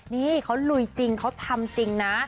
นี่เขาลุยจริงเขาทำจริงนะ